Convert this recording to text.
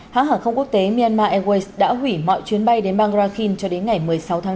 hãng hàng không quốc tế myanmar airways đã hủy mọi chuyến bay đến bang rakhin cho đến ngày một mươi sáu tháng bốn